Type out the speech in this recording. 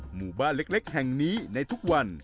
หมู่บ้านเล็กแห่งนี้ในทุกวัน